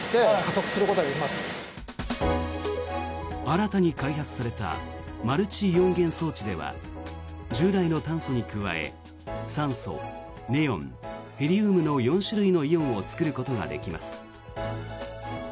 新たに開発されたマルチイオン源装置では従来の炭素に加え酸素、ネオン、ヘリウムの４種類のイオンを作ることができます。